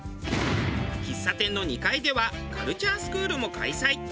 喫茶店の２階ではカルチャースクールも開催。